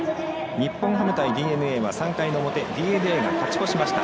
日本ハム対ＤｅＮＡは３回表ＤｅＮＡが勝ち越しました。